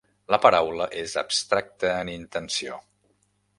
La paraula és abstracta en intenció.